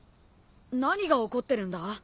何が起こってるんだ？